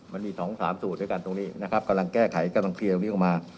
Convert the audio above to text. มันมี๒๓สู่ทรวจอยู่กันตรงนี้กำลังแก้ไขกำลังเคลียร์ออกมา